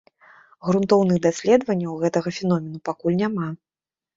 Грунтоўных даследаванняў гэтага феномену пакуль няма.